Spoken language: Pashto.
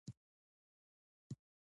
یو بل سړک ته تاو شول